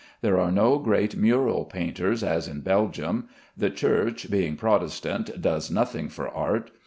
There are no great mural painters as in Belgium; the Church, being Protestant, does nothing for art.